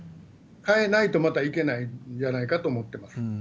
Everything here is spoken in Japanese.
変えないと、またいけないんじゃないかと思ってます。